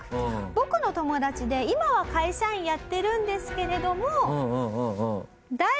僕の友達で今は会社員やってるんですけれども。